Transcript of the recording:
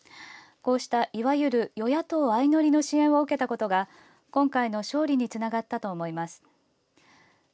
こうしたいわゆる与野党相乗りの支援を受けたことが今回の勝利につながったと思います。